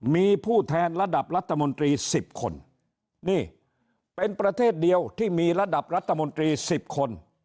มีผู้แทนระดับรัฐมนตรี๑๐คนนี่เป็นประเทศเดียวที่มีระดับรัฐมนตรี๑๐คน